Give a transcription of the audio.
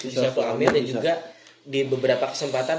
vicia flamir dan juga di beberapa kesempatan